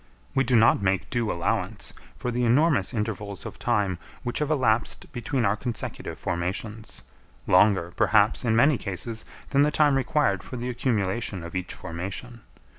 We do not make due allowance for the enormous intervals of time which have elapsed between our consecutive formations, longer perhaps in many cases than the time required for the accumulation of each formation.